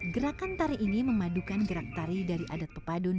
gerakan tari ini memadukan gerak tari dari adat pepadun